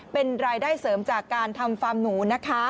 เป็นรายได้เสริมจากการทำฟาร์มหนูนะคะ